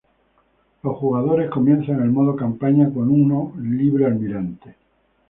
Los jugadores comienzan el modo Campaña con uno libre Almirante.